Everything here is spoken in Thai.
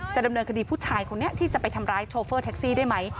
ดำเนินคดีผู้ชายคนนี้ที่จะไปทำร้ายโชเฟอร์แท็กซี่ได้ไหม